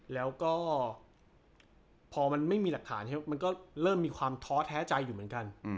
แล้วก็พอมันไม่มีหลักฐานมันก็เริ่มมีความท้อแท้ใจอยู่เหมือนกัน